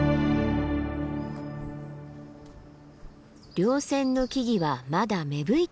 稜線の木々はまだ芽吹いたばかり。